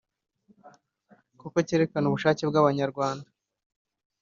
kuko cyerekana ubushake bw’abanyarwanda